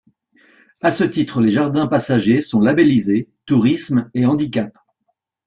À ce titre, les jardins passagers sont labellisés Tourisme et handicaps.